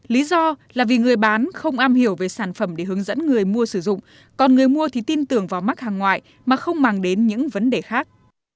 lý do là vì người bán không am hiểu về sản phẩm để hướng dẫn người mua sử dụng còn người mua thì tin tưởng vào mắt hàng ngoại mà không mang đến những vấn đề khác